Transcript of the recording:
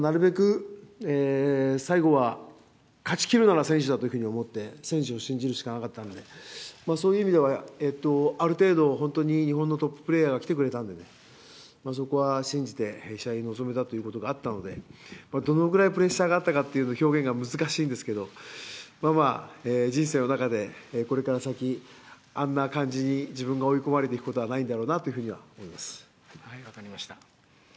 ただ、なるべく最後は勝ちきるなら選手だと思って、選手を信じるしかなかったんで、そういう意味では、ある程度、本当に日本のトッププレーヤーが来てくれたんでね、そこは信じて、試合に臨めたってことがあったので、どのくらいプレッシャーがあったかというのは、表現が難しいんですけど、人生の中でこれから先、あんな感じに自分が追い込まれていくことはないんだろうなっていうふうにありがとうございました。